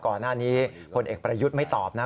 ก่อนหน้านี้พลเอกประยุทธ์ไม่ตอบนะ